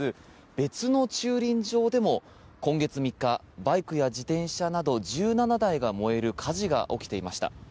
別の駐輪場でも、今月３日バイクや自転車など１７台が燃える火事が起きていました。